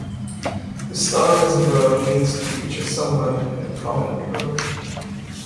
To star as a verb means to feature someone in a prominent role.